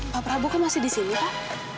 pak prabu kan masih disini pak